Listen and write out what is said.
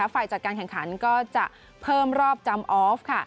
ฝ่ายจัดการแข่งขันก็จะเพิ่มรอบจำออฟค่ะ